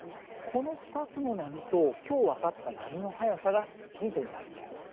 この２つの波と今日分かった波の速さがヒントになるんだよ。